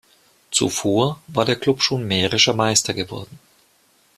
Zuvor war der Klub schon mährischer Meister geworden.